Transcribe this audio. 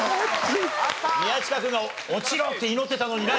宮近君が落ちろって祈ってたのにな